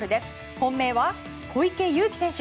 本命は小池祐貴選手。